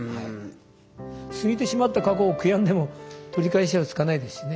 過ぎてしまった過去を悔やんでも取り返しはつかないですしね。